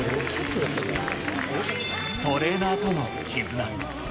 トレーナーとの絆。